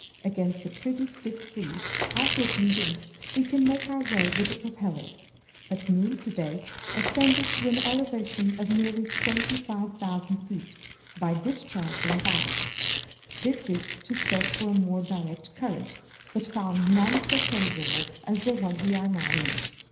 Against a pretty stiff breeze, I feel convinced, we can make our way with the propeller. At noon, to day, ascended to an elevation of nearly 25,000 feet, by discharging ballast. Did this to search for a more direct current, but found none so favorable as the one we are now in.